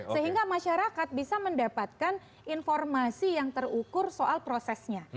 sehingga masyarakat bisa mendapatkan informasi yang terukur soal prosesnya